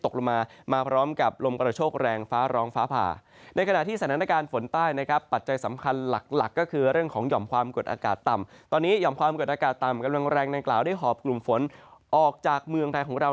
กำลังแรงนางกล่าวได้หอบกลุ่มฝนออกจากเมืองไทยของเรา